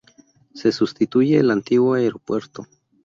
Se sustituye el antiguo aeropuerto.